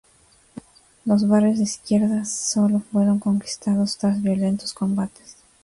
Los barrios de izquierdas solo fueron conquistados tras violentos combates.